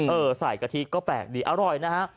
เออใส่กะทิก็แปลกดีอร่อยนะฮะ